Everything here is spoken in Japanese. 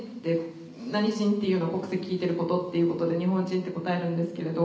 なに人っていうの国籍聞いてることってことで日本人って答えるんですけれど。